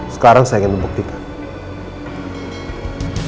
sekarang saya ingin membuktikannya